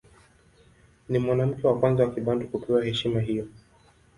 Ni mwanamke wa kwanza wa Kibantu kupewa heshima hiyo.